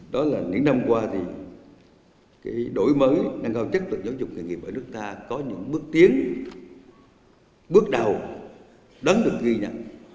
đó là những năm qua thì cái đổi mới năng cao chất tượng giáo dục kinh nghiệm ở nước ta có những bước tiến bước đầu đáng được ghi nhận